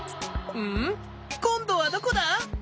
こんどはどこだ？